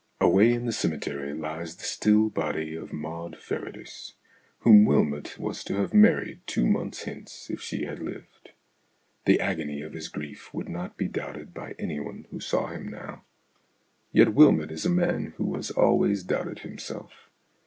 Away in the cemetery lies the still body of Maud Farradyce, whom Wylmot was to have married two months hence if she had lived. The agony of his grief would not be doubted by anyone who saw him now. Yet Wylmot is a man who has always doubted himself.